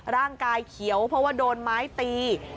ร่างกายเขียวเพราะว่าโดนไม้ตี